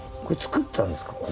これつくったんですか